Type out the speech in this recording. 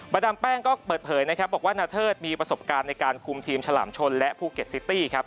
ดามแป้งก็เปิดเผยนะครับบอกว่านาเทิดมีประสบการณ์ในการคุมทีมฉลามชนและภูเก็ตซิตี้ครับ